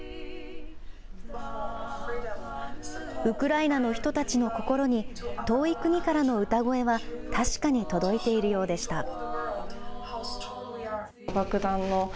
ウクライナの人たちの心に遠い国からの歌声は確かに届いているようでした。